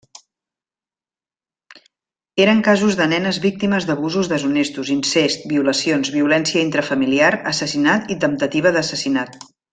Eren casos de nenes víctimes d'abusos deshonestos, incest, violacions, violència intrafamiliar, assassinat i temptativa d'assassinat.